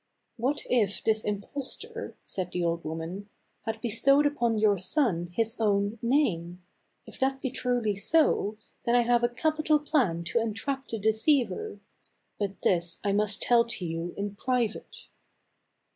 " What if this impostor," said the old woman, " had bestowed upon your son his own name ? If that be truly so, then have I a capital plan to entrap the deceiver ; but this I must tell to you in private."